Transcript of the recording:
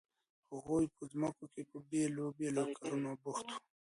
هغوی په ځمکو کې په بیلابیلو کارونو بوخت وو.